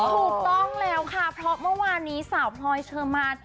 ถูกต้องแล้วค่ะเพราะเมื่อวานนี้สาวพลอยเชอร์มาน